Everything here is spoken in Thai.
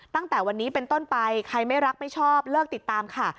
ตั้งแต่วันนี้เป็นต้นไปใครไม่รักไม่ชอบเลิกติดตามค่ะ